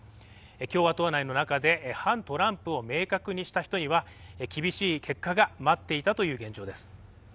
共和党内の中で反トランプを明確にした人には厳しい結果が待っていたという現状です。